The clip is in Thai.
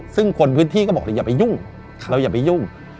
ซึ่งคนพื้นที่ก็บอกเลยอย่าไปยุ่งเราอย่าไปยุ่ง